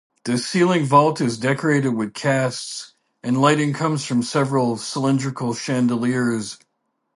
The ceiling vault is decorated with casts, and lighting comes from several cylindrical chandeliers.